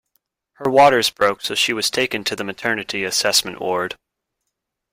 Her waters broke so she was taken to the maternity assessment ward.